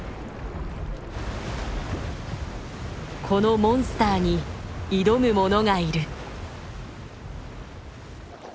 このモンスターに挑むものがいる。